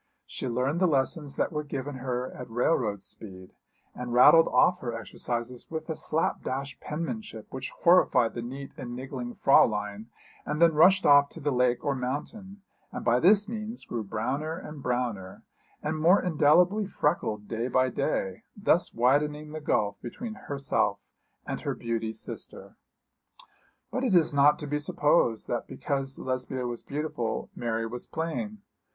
She learned the lessons that were given her at railroad speed, and rattled off her exercises with a slap dash penmanship which horrified the neat and niggling Fräulein, and then rushed off to the lake or mountain, and by this means grew browner and browner, and more indelibly freckled day by day, thus widening the gulf between herself and her beauty sister. But it is not to be supposed that because Lesbia was beautiful, Mary was plain.